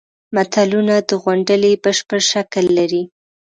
متلونه د غونډلې بشپړ شکل لري